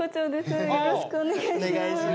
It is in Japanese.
よろしくお願いします。